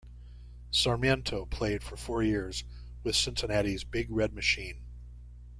Sarmiento played for four years with Cincinnati's "Big Red Machine".